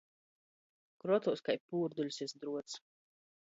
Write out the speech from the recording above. Krotuos kai pūrduļs iz druots.